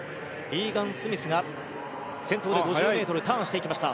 リーガン・スミスが先頭で５０ｍをターンしていきました。